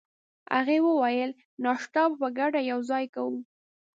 هغې وویل: ناشته به په ګډه یوځای کوو.